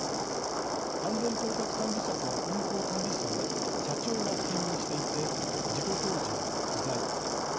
安全統括管理者と運航管理者を社長が兼任していて事故当時は不在。